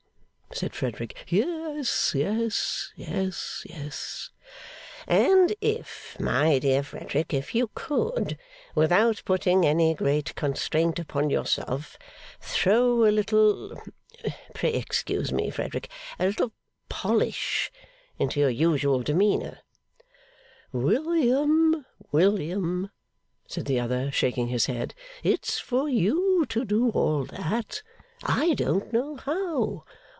said Frederick. 'Yes, yes, yes, yes.' 'And if, my dear Frederick if you could, without putting any great constraint upon yourself, throw a little (pray excuse me, Frederick), a little polish into your usual demeanour ' 'William, William,' said the other, shaking his head, 'it's for you to do all that. I don't know how.